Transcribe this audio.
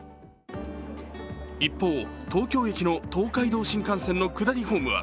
一方、東京駅の東海道新幹線の下りホームは